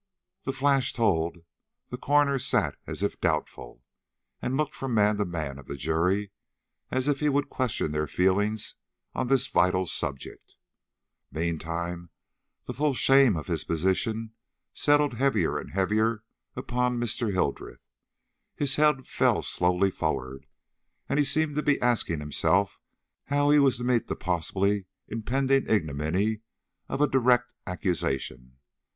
The flash told, the coroner sat as if doubtful, and looked from man to man of the jury as if he would question their feelings on this vital subject. Meantime the full shame of his position settled heavier and heavier upon Mr. Hildreth; his head fell slowly forward, and he seemed to be asking himself how he was to meet the possibly impending ignominy of a direct accusation.